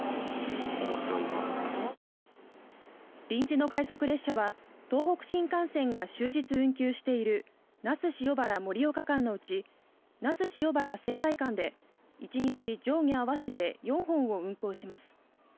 臨時の快速列車は東北新幹線が終日運休している那須塩原盛岡間のうち那須塩原仙台間で１日、上下合わせて４本を運行します。